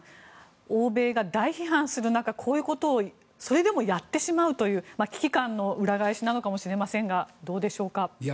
欧米が大批判する中こういうことをそれでもやってしまうという危機感の裏返しなのかもしれませんが。